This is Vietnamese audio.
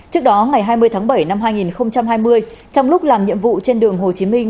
trước đó ngày hai mươi tháng bảy năm hai nghìn hai mươi trong lúc làm nhiệm vụ trên đường hồ chí minh